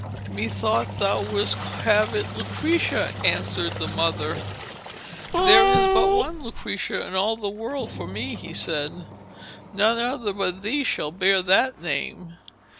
'Methought thou wouldst have it Lucrezia,' answered the mother. 'There is but one Lucrezia in all the world for me,' he said. 'None other but thee shall bear that name.'